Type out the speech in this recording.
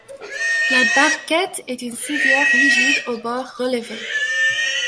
La barquette est une civière rigide aux bords relevés.